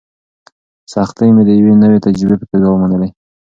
سختۍ مې د یوې نوې تجربې په توګه ومنلې.